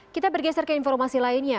kita bergeser ke informasi lainnya